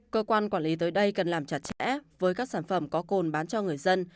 cơ quan quản lý tới đây cần làm chặt chẽ với các sản phẩm có cồn bán cho người dân